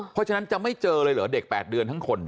เพราะฉะนั้นจะไม่เจอเลยเหรอเด็ก๘เดือนทั้งคน